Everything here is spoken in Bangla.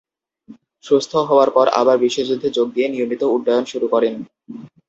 সুস্থ হওয়ার পর আবার বিশ্বযুদ্ধে যোগ দিয়ে নিয়মিত উড্ডয়ন শুরু করেন।